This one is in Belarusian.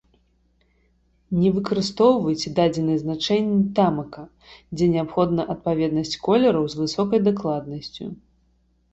Не выкарыстоўвайце дадзеныя значэнні тамака, дзе неабходна адпаведнасць колераў з высокай дакладнасцю.